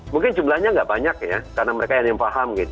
mungkin jumlahnya nggak banyak ya karena mereka yang paham